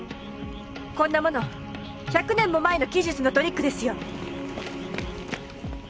こんなもの１００年も前の奇術のトリックですよ！